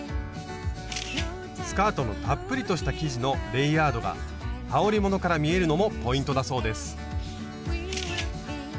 スカートのたっぷりとした生地のレイヤードがはおりものから見えるのもポイントだそうです。